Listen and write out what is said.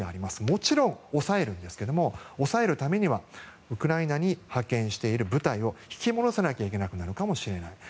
もちろん、抑えるんですけども抑えるためにはウクライナに派遣している部隊を引き戻さなきゃいけなくなるかもしれない。